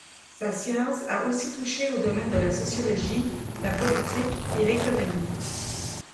Sa science a aussi touché au domaine de la sociologie, la politique et l'économie.